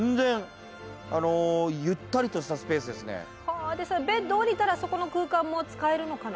はあでそれベッド下りたらそこの空間も使えるのかな？